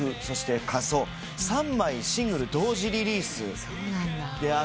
そして『花葬』３枚シングル同時リリースであったり。